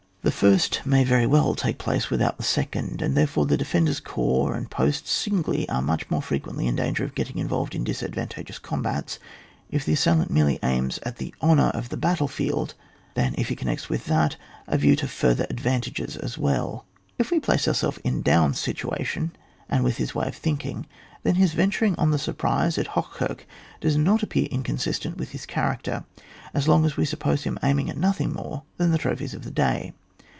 The first may "fery well take place without the second, and therefore the defenders' corps and posts singly are much more frequently in danger of get ting involved in disadvantageous combats if the assailant merely aims at the honour of the battle fleldf than if he connects with that a view to further advantages as well. If we place ourselves in Daun's situa tion, and with his way of thinking, then his venturing on the surprise of Hoch kirch does not appear inconsistent with his character, as long as we suppose him aiming at nothing more than the trophies of the day.